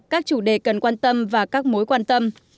các chủ đề cần quan tâm và các mối quan tâm